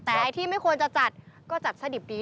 แต่ไอ้ที่ไม่ควรจะจัดก็จัดซะดิบดี